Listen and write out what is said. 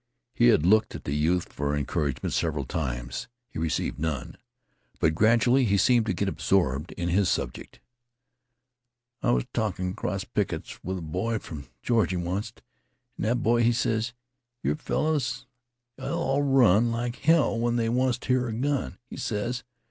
He had looked at the youth for encouragement several times. He received none, but gradually he seemed to get absorbed in his subject. "I was talkin' 'cross pickets with a boy from Georgie, onct, an' that boy, he ses, 'Your fellers 'll all run like hell when they onct hearn a gun,' he ses.